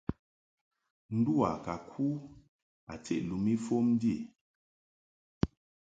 Ndu a ka ku a tiʼ lum ifom ndi.